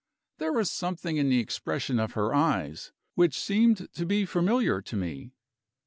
There was something in the expression of her eyes which seemed to be familiar to me.